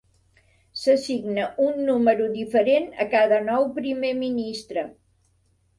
S'assigna un número diferent a cada nou Primer Ministre.